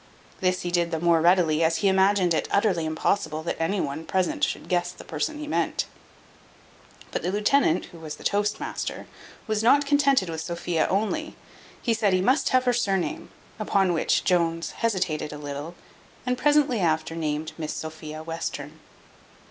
This he did the more readily, as he imagined it utterly impossible that any one present should guess the person he meant. But the lieutenant, who was the toast master, was not contented with Sophia only. He said, he must have her sir name; upon which Jones hesitated a little, and presently after named Miss Sophia Western.